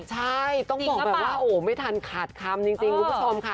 ใช่ต้องบอกแบบว่าโอ้ไม่ทันขาดคำจริงคุณผู้ชมค่ะ